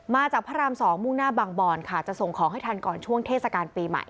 มาจากพระราม๒มุ่งหน้าบางบอนค่ะจะส่งของให้ทันก่อนช่วงเทศกาลปีใหม่